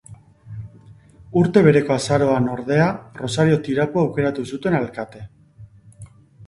Urte bereko azaroan, ordea, Rosario Tirapu aukeratu zuten alkate.